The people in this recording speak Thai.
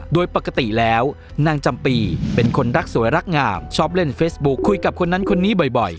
โดยปกติแล้วนางจำปีเป็นคนรักสวยรักงามชอบเล่นเฟซบุ๊คคุยกับคนนั้นคนนี้บ่อย